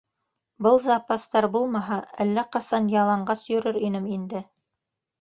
Был запастар булмаһа, әллә ҡасан яланғас йөрөр инем инде.